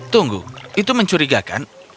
tunggu itu mencurigakan